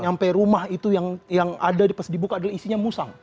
sampai rumah itu yang ada di pas dibuka adalah isinya musang